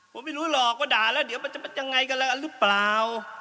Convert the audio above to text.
ผมไม่รู้หรอกว่าด่าแล้วเดี๋ยวมันจะยังไงกันแล้วกันหรือเปล่า